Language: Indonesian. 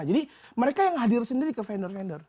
jadi mereka yang hadir sendiri ke vendor vendor